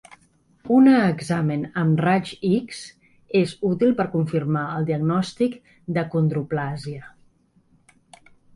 Una examen amb raigs X és útil per confirmar el diagnòstic d'acondroplàsia.